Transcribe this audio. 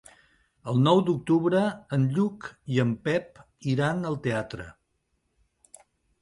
El nou d'octubre en Lluc i en Pep iran al teatre.